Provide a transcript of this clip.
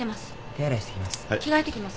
手洗いしてきます。